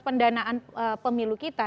pendanaan pemilu kita